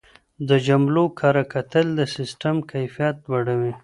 د جملو کره کتل د سیسټم کیفیت لوړوي.